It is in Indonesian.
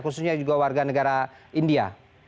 khususnya juga warga negara india